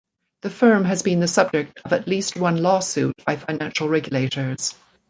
The firm has been the subject of at least one lawsuit by financial regulators.